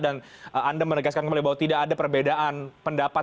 dan anda menegaskan kembali bahwa tidak ada perbedaan pendapat